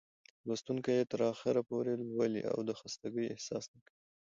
لوستونکى يې تر اخره پورې لولي او د خستګۍ احساس نه کوي.